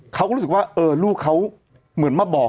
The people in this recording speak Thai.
เขาก็รู้สึกว่าลูกเขาเหมือนมาบอก